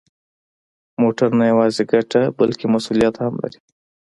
موټر نه یوازې ګټه، بلکه مسؤلیت هم لري.